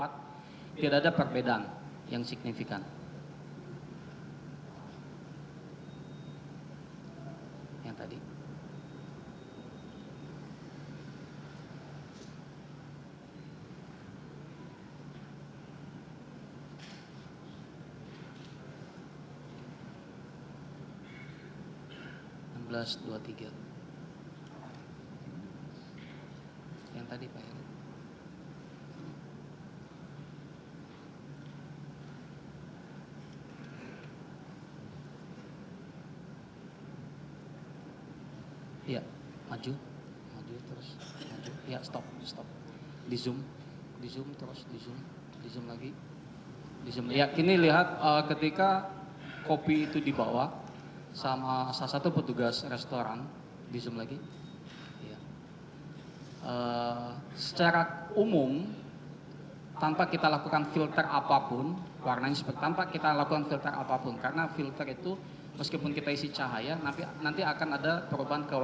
tidak ada perbedaan